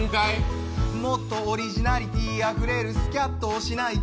もっとオリジナリティーあふれるスキャットをしないと。